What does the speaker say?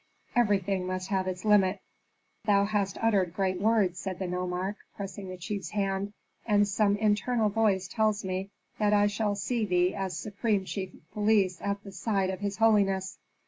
Everything must have its limit." "Thou hast uttered great words," said the nomarch, pressing the chief's hand, "and some internal voice tells me that I shall see thee as supreme chief of police at the side of his holiness."